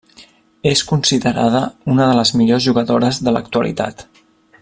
És considerada una de les millors jugadores de l'actualitat.